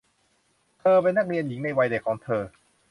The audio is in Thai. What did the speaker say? เธอเป็นนักเรียนหญิงในวัยเด็กของเธอ